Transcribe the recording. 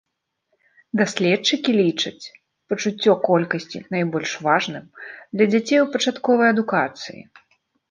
Даследчыкі лічаць пачуццё колькасці найбольш важным для дзяцей у пачатковай адукацыі.